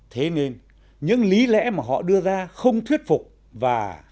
thế nên những lý lẽ mà họ đưa ra không thuyết phục và